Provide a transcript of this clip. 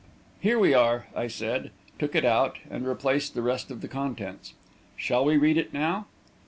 "Here we are," I said, took it out, and replaced the rest of the contents. "Shall we read it now?"